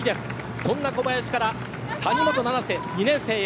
そんな小林から谷本七星、２年生へ。